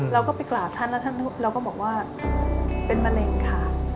เราก็ไปกราบท่านและบอกว่าเป็นมะเนงค่ะ